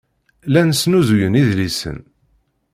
Llan snuzuyen idlisen.